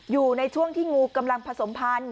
อยู่ในช่วงที่งูกำลังผสมพันธุ